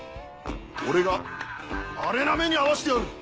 俺がアレな目に遭わしてやる！